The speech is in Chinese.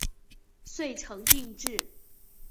遂成定制。